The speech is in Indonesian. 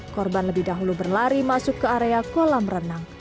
korban lebih dahulu berlari masuk ke area kolam renang